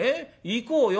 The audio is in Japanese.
行こうよ。